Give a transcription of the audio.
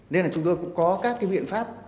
nên là chúng tôi cũng có các viện pháp